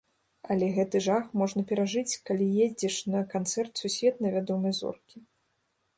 Але гэты жах можна перажыць, калі едзеш на канцэрт сусветна вядомай зоркі.